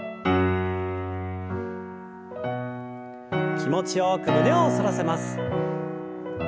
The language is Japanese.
気持ちよく胸を反らせます。